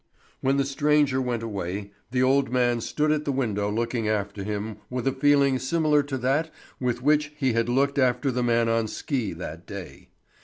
When the stranger went away, the old man stood at the window looking after him with a feeling similar to that with which he had looked after the man on ski that day.